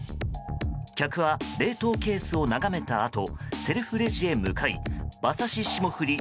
客は冷凍ケースを眺めたあとセルフレジへ向かい馬刺し霜降り